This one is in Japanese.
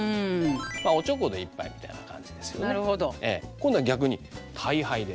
今度は逆に大杯で。